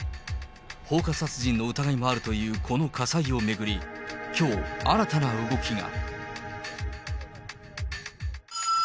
放火殺人の疑いもあるというこの火災を巡り、きょう、新たな動きが。